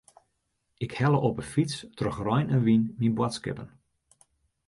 Ik helle op 'e fyts troch rein en wyn myn boadskippen.